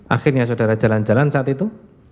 akhirnya saudara jalan jalan saat itu